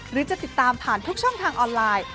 หรือจะติดตามผ่านทุกช่องทางออนไลน์